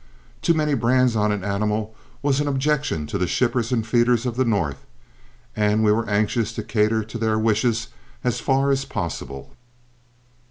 Too many brands on an animal was an objection to the shippers and feeders of the North, and we were anxious to cater to their wishes as far as possible.